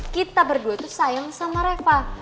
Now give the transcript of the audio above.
kita berdua tuh sayang sama reva